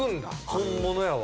本物やわ。